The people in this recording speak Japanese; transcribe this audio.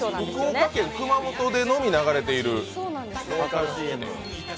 福岡県熊本のみで流れている。